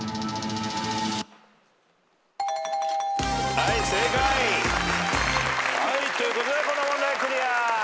はい正解。ということでこの問題クリア。